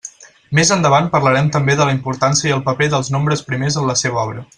Més endavant parlarem també de la importància i el paper dels nombres primers en la seva obra.